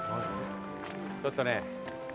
ちょっとね。